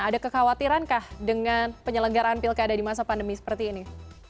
ada kekhawatiran kah dengan penyelenggaraan pilkada di masa pandemi seperti ini